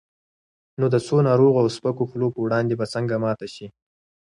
نو د څو ناروغو او سپکو خولو پر وړاندې به څنګه ماته شي؟